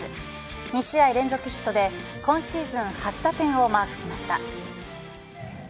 ２試合連続ヒットで今シーズン初打点をマークしました。